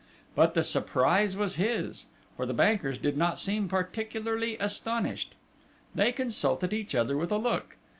But, the surprise was his, for the bankers did not seem particularly astonished. They consulted each other with a look.